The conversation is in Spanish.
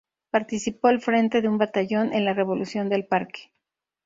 Participó al frente de un batallón en la Revolución del Parque.